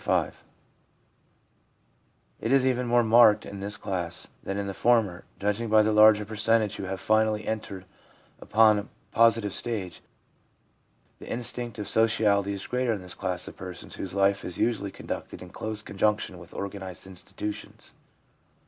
It is even more marked in this class than in the former, judging by the larger percentage who have finally entered upon a positive stage. The instinct of sociality is greater in this class of persons whose life is usually conducted in close conjunction with organised institu tions.